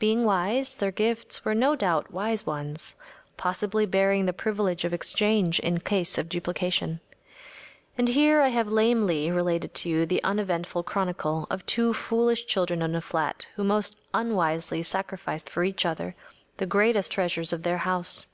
Being wise, their gifts were no doubt wise ones, possibly bearing the privilege of exchange in case of duplication. And here I have lamely related to you the uneventful chronicle of two foolish children in a flat who most unwisely sacrificed for each other the greatest treasures of their house.